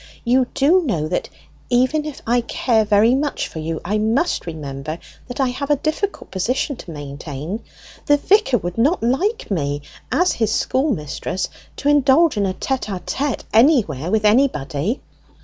"You do know, that even if I care very much for you, I must remember that I have a difficult position to maintain. The vicar would not like me, as his schoolmistress, to indulge in a tete a tete anywhere with anybody."